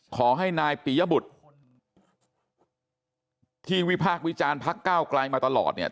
ขอให้นายปียบุตรที่วิพากษ์วิจารณ์พักก้าวไกลมาตลอดเนี่ย